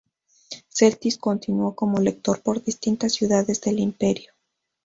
Celtis continuó como lector por distintas ciudades del imperio.